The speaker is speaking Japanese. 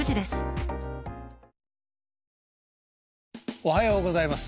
おはようございます。